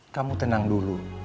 kamu tenang dulu